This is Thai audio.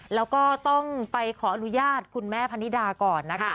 แล้วก็ต้องไปขออนุญาตคุณแม่พนิดาก่อนนะคะ